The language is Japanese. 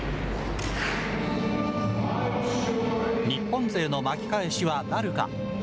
日本勢の巻き返しはなるか。